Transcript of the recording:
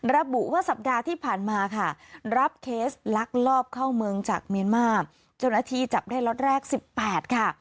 ระบุว่าสัปดาห์ที่ผ่านมาค่ะรับเคสลักลอบเข้าเมืองจากเมียนมาร์เจ้าหน้าที่จับได้ล็อตแรก๑๘ค่ะ